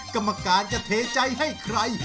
กรรมการจะเทใจให้ใคร